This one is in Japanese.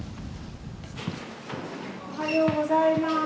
おはようございます。